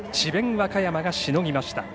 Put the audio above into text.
和歌山がしのぎました。